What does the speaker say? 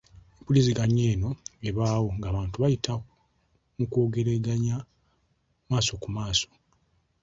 Empuliziganya eno ebaawo ng’abantu bayita mu kwogereganya maaso ku maaso.